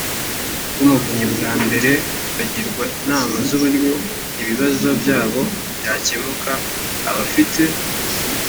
Rw umuvunyi bwa mbere bagirwa inama z uburyo ibibazo byabo byakemuka abafite